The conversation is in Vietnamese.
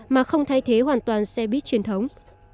mà không thay thế hoàn toàn xe buýt truyền thống